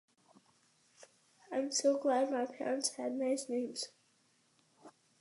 I’m so glad my parents had nice names.